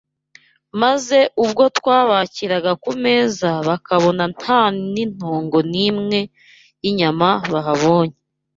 maze ubwo twabakiraga ku meza, bakabona nta n’intongo n’imwe y’inyama bahabonye